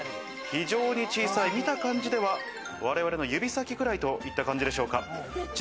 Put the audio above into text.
非常に小さい、見た感じでは我々の指先くらいといった感じでしょうか。